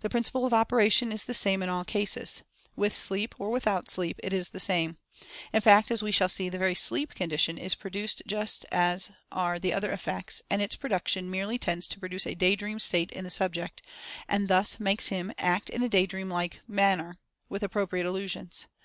The principle of operation is the same in all cases. With sleep, or without sleep, it is the same. In fact, as we shall see, the very "sleep" condition is produced just as are the other effects, and its production merely tends to produce a "day dream" state in the subject, and thus makes him act in a day dreamlike manner, with appropriate illusions.